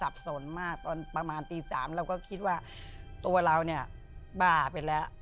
สนมากตอนประมาณตี๓เราก็คิดว่าตัวเราเนี่ยบ้าไปแล้ว